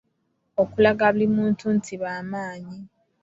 Okulaga buli muntu nti bamaanyi.